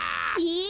え！